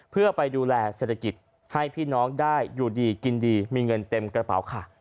เพื่อไปดูแลเศรษฐกิจให้พี่น้องได้อยู่ดีกินดีมีเงินเต็มกระเป๋าค่ะ